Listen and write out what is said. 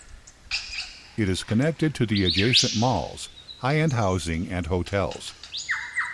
It is connected to the adjacent malls, high-end housing and hotels.